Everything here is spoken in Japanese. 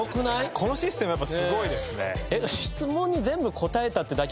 このシステムやっぱすごいですね。